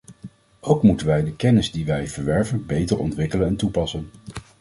Ook moeten wij de kennis die wij verwerven beter ontwikkelen en toepassen.